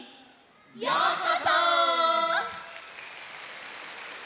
ようこそ！